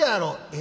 「え？